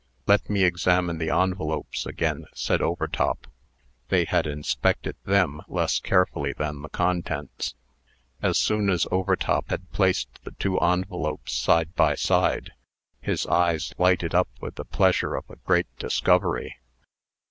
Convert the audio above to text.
"Let me examine the envelopes again," said Overtop. They had inspected them less carefully than the contents. As soon as Overtop had placed the two envelopes side by side, his eyes lighted up with the pleasure of a great discovery.